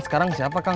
sekarang siapa kang